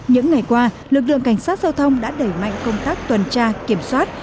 những ngày qua lực lượng cảnh sát giao thông đã đẩy mạnh công tác tuần tra kiểm soát